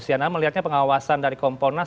sejauh apa melihatnya pengawasan dari kompornas